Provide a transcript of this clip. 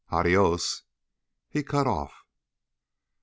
"Adios." He cut off.